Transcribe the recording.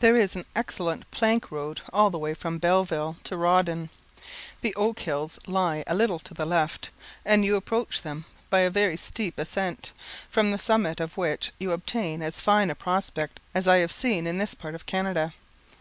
There is an excellent plank road all the way from Belleville to Rawdon. The Oakhills lie a little to the left, and you approach them by a very steep ascent, from the summit of which you obtain as fine a prospect as I have seen in this part of Canada.